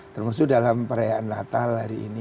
termasuk dalam perayaan natal hari ini